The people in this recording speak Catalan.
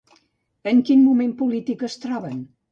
En quin moment polític es troben?